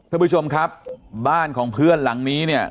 ท่านผู้ชมครับบ้านของเพื่อนหลังนี้เนี่ย